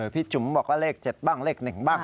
จุ๋มบอกว่าเลข๗บ้างเลข๑บ้าง